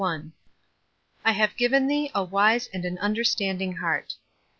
*' I have given thee a wise and an understanding heart."